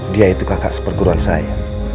dia itu kakak perguruan saya